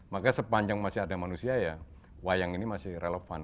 maka sepanjang masih ada manusia ya wayang ini masih relevan